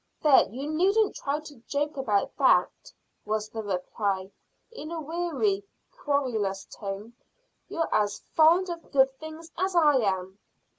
"There, you needn't try to joke about that," was the reply, in a weary, querulous tone. "You're as fond of good things as I am."